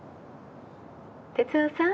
哲雄さん？